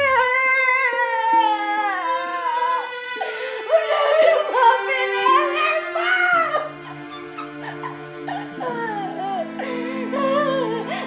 aku akan boleh ada disini